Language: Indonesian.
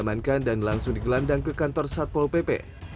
mereka mengamankan dan langsung digelandang ke kantor satpol pp